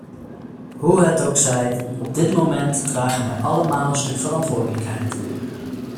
Hoe het ook zij, op dit moment dragen wij allemaal een stuk verantwoordelijkheid.